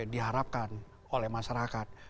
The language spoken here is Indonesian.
sudah diharapkan oleh masyarakat